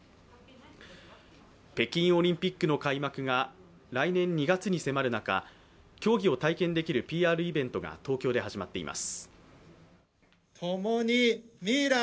北京オリンピックの開幕が来年１月に迫る中競技を体験できるＰＲイベントが東京で始まっています。